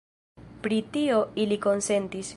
Pri tio ili konsentis.